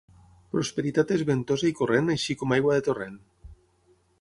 Prosperitat és ventosa i corrent així com aigua de torrent.